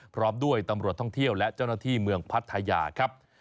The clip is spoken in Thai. พร้อมด้วยตำรวจท่องเที่ยวและเจ้าหน้าที่เมืองพัทยาครับ